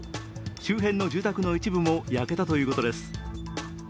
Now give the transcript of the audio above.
周辺の住宅の一部も焼けたということです。